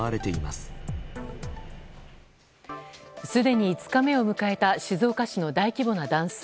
すでに５日目を迎えた静岡市の大規模な断水。